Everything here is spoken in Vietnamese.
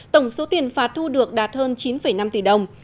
tổng số tiền phạt thu được đạt hơn chín năm tỷ đồng